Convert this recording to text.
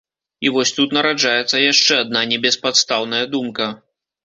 І вось тут нараджаецца яшчэ адна, небеспадстаўная думка.